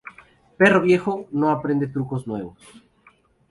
Perro viejo, no aprende trucos nuevos